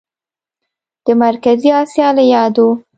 د مرکزي اسیا له یادو